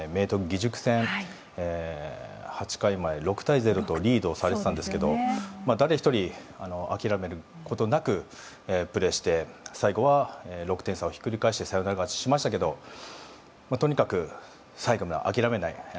義塾戦８回まで６対０とリードをされていたんですけれど誰一人、諦めることなくプレーして最後は６点差をひっくり返してサヨナラ勝ちしましたけどとにかく最後まで諦めない。